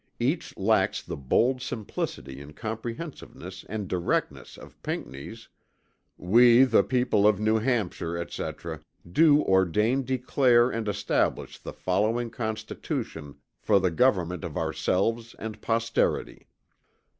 Each lacks the bold simplicity and comprehensiveness and directness of Pinckney's: "We the People of New Hampshire" etc. "do ordain declare and establish the following Constitution for the government of ourselves and posterity."